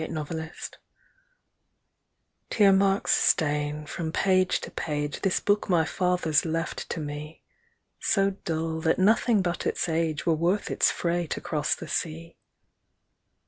Tear Stains Tear marks stain from page to page This book my fathers left to me, So dull that nothing but its age Were worth its freight across the sea.